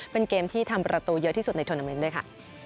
เป็นเกมที่ทำประตูเยอะที่สุดในทวนาเมนต์ด้วยค่ะ